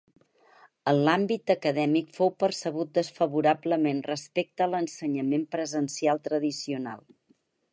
En l'àmbit acadèmic fou percebut desfavorablement respecte a l'ensenyament presencial tradicional.